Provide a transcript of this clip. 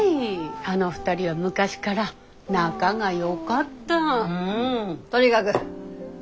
あの２人は昔から仲がよかった。とにかぐやりましょうよ。